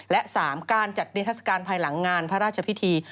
และ๓การจัดนิทัศกาลภายหลังงานพระราชพิธี